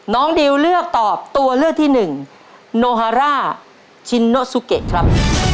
น้องดิวเลือกตอบตัวเลือกที่หนึ่งโนฮาร่าชินโนซูเกะครับ